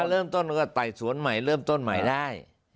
เริ่มต้นก็ไต่สวนใหม่เริ่มต้นใหม่ได้